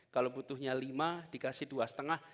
kalau butuhnya lima dikasih dua lima